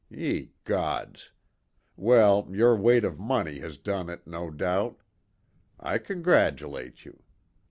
Ye gods! Well, your weight of money has done it, no doubt. I congratulate you.